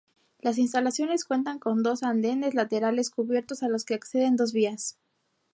Las instalaciones cuentan con dos andenes laterales cubiertos a los que acceden dos vías.